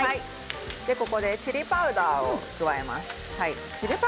ここでチリパウダーを加えます。